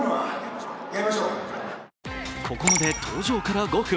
ここまで登場から５分。